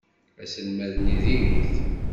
Aselmad-nni diri-t.